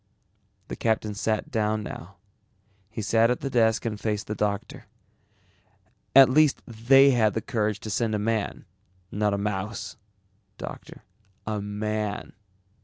The captain sat down now. He sat at the desk and faced the doctor. "At least they had the courage to send a man, not a mouse. Doctor, a man."